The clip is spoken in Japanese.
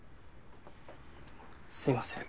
すみません。